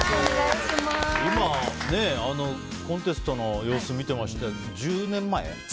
今、コンテストの様子を見てましたけど１０年前？